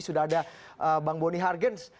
sudah ada bang boni hargens